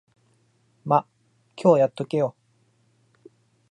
ま、今日やっとけよ。